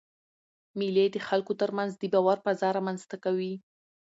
مېلې د خلکو تر منځ د باور فضا رامنځ ته کوي.